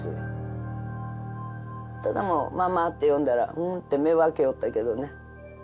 ただもう「ママ」って呼んだら「ん」って目は開けよったけどね。